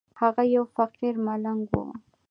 هغه يو فقير ملنگ و.